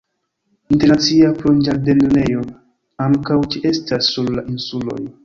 Internacia plonĝadlernejo ankaŭ ĉeestas sur la insuloj.